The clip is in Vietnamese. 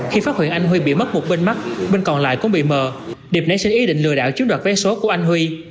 khi phát hiện anh huy bị mất một bên mắt bên còn lại cũng bị mờ điệp nảy sinh ý định lừa đảo chiếm đoạt vé số của anh huy